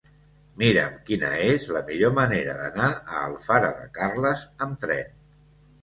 Mira'm quina és la millor manera d'anar a Alfara de Carles amb tren.